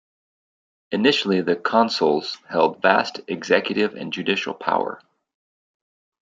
Initially, the consuls held vast executive and judicial power.